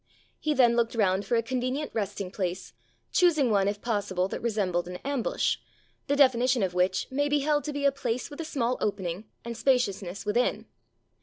He then looked round for a convenient resting place, choosing one, if possible, that resembled an ambush, the definition of which may be held to be a place with a small opening and spaciousness within.